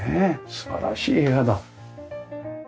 素晴らしい部屋だ。